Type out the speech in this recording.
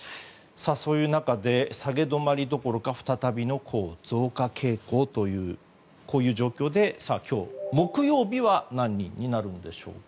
そういう中で下げ止まりどころか再びの増加傾向というこういう状況で今日、木曜日は何人になるのでしょうか。